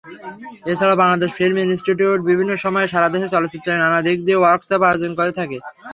এছাড়া Bangladesh film institute বিভিন্ন সময়ে সারা দেশে চলচ্চিত্রের নানা দিক নিয়ে ওয়ার্কশপ আয়োজন করে থাকে।